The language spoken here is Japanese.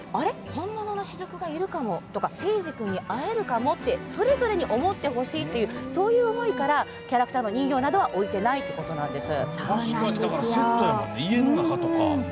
本物の雫がいるかも？とか聖司君に会えるかもってそれぞれに思ってほしいという思いからキャラクターの人形などは置いていないということなんです。